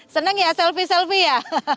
senang ya selfie selfie ya